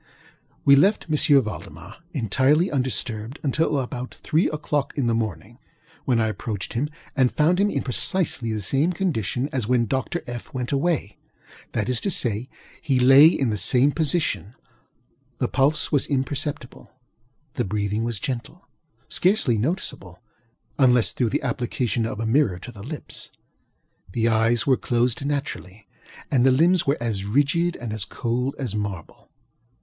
We left M. Valdemar entirely undisturbed until about three oŌĆÖclock in the morning, when I approached him and found him in precisely the same condition as when Dr. FŌĆöŌĆö went awayŌĆöthat is to say, he lay in the same position; the pulse was imperceptible; the breathing was gentle (scarcely noticeable, unless through the application of a mirror to the lips); the eyes were closed naturally; and the limbs were as rigid and as cold as marble.